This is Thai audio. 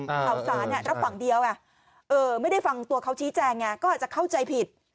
ข่าวสารรับฝั่งเดียวไงไม่ได้ฟังตัวเขาชี้แจงไงก็อาจจะเข้าใจผิด